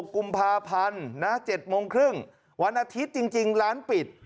กุมภาพันธ์นะ๗โมงครึ่งวันอาทิตย์จริงร้านปิด